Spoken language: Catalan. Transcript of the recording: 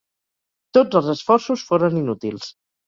Tots els esforços foren inútils.